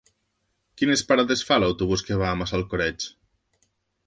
Quines parades fa l'autobús que va a Massalcoreig?